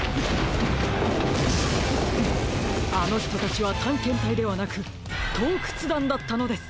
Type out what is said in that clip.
あのひとたちはたんけんたいではなくとうくつだんだったのです！